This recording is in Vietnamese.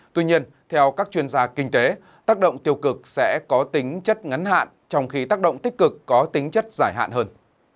tuy nhiên theo các chuyên gia kinh tế tác động tiêu cực sẽ có tính chất ngắn hạn trong khi tác động tích cực có tính chất giải hạn hơn